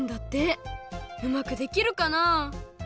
うまくできるかな？